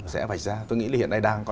sẽ vạch ra tôi nghĩ là hiện nay đang có